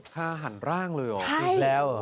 ฆ่าหันร่างเลยเหรอ